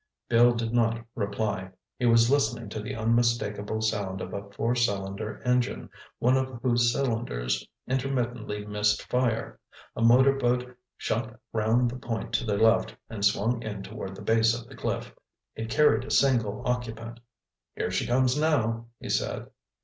Bill did not reply. He was listening to the unmistakable sound of a four cylinder engine, one of whose cylinders intermittently missed fire. A motor boat shot round the point to their left and swung in toward the base of the cliff. It carried a single occupant. "Here she comes now," he said.